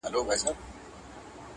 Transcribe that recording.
عاقبت غلیم د بل، دښمن د ځان دی؛ ؛